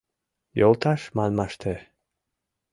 Йолташ манмаште...